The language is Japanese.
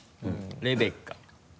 レベッカ。